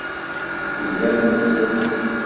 Teglam yes-sen.